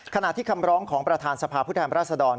ขณะที่คำร้องของประธานสภาพผู้แทนราชดร